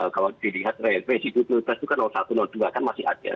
kalau dilihat residu pilpres itu kan satu dua kan masih ada